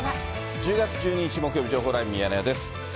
１０月１２日木曜日、情報ライブミヤネ屋です。